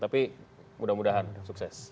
tapi mudah mudahan sukses